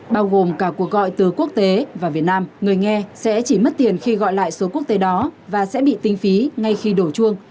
bao gồm cả cuộc gọi từ quốc tế và việt nam người nghe sẽ chỉ mất tiền khi gọi lại số quốc tế đó và sẽ bị tính phí ngay khi đổ chuông